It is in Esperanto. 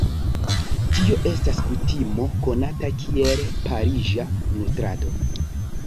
Tio estas kutimo konata kiel "pariĝa nutrado".